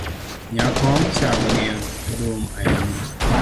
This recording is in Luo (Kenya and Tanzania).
Nyako cha ongeyo dhum ahinya